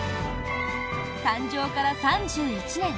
誕生から３１年。